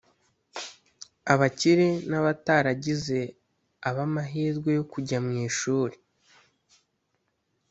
abakire n’abataragize abamahirwe yo kujya mu ishuri